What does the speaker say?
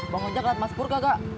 bang ojak liat mas pur kagak